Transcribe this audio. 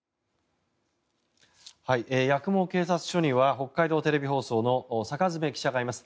八雲警察署には北海道テレビ放送の坂詰記者がいます。